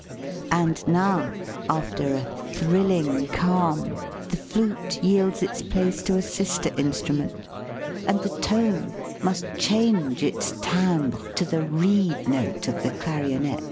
And now, after a " thrilling calm," the flute yields its place to a sister instrument, and the tone must change its timbre to the reed note of the clarionet.